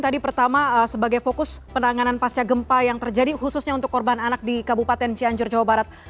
tadi pertama sebagai fokus penanganan pasca gempa yang terjadi khususnya untuk korban anak di kabupaten cianjur jawa barat